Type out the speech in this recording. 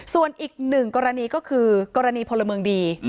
ส่วนอีกหนึ่งกรณีก็คือกรณีพลเมืองดี